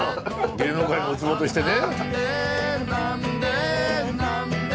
芸能界のうつぼとしてね。